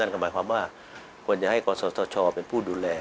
ควรจะให้มอกเป็นพูดูแล